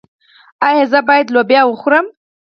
ایا زه باید لوبیا وخورم؟